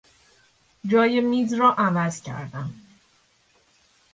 جای میز را عوض کردم.